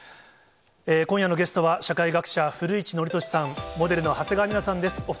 今夜のゲストは、社会学者、古市憲寿さん、モデルの長谷川ミラさんです。